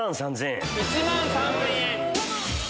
１万３０００円。